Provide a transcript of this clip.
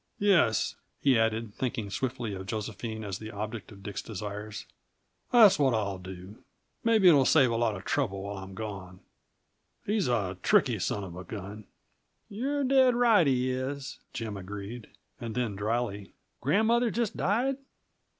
Yes," he added, thinking swiftly of Josephine as the object of Dick's desires, "that's what I'll do. Maybe it'll save a lot of trouble while I'm gone. He's a tricky son of a gun." "You're dead right; he is," Jim agreed. And then, dryly: "Grandmother just died?"